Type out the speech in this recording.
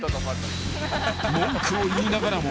［文句を言いながらも］